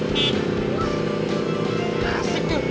asik tuh setuju setuju